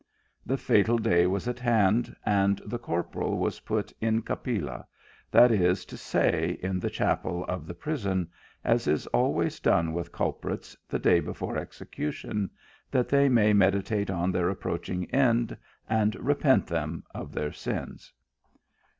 The fatal day was at hand, and the corporal was put in capilla, that is to say, in the chapel of the prison ; as is al ways done with culprits the day before execution, that they may meditate on their approaching end, and repent them of their sins.